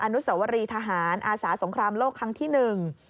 อนุสวรีทหารอาสาสงครามโลกครั้งที่หนึ่ง